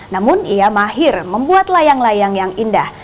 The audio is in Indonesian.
namun ia mahir membuat layang layang yang indah